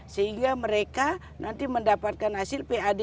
sehingga mereka nanti mendapatkan hasil pad